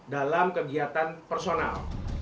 dalam kegiatan personal